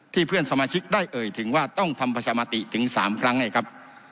เพื่อนสมาชิกได้เอ่ยถึงว่าต้องทำประชามติถึง๓ครั้งไงครับ